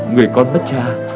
người con mất cha